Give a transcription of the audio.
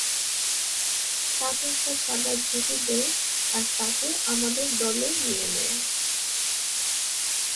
তাকে একটা সাদা ধুতি দে আর তাকে আমাদের দলে নিয়ে নে।